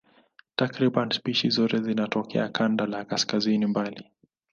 Takriban spishi zote zinatokea kanda za kaskazini mbali.